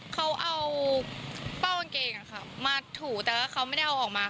เขาเอาเป้าอันเกงอะครับมาถูกแต่เขาไม่ได้เอาออกมา